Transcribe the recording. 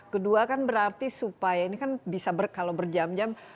kedua kan berarti supaya ini kan bisa kalau berjam jam